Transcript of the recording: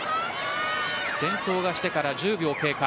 先頭が来てから１０秒経過。